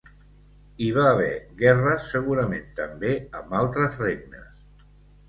Hi va haver guerres segurament també amb altres regnes.